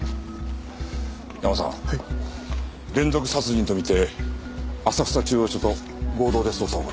連続殺人とみて浅草中央署と合同で捜査を行う。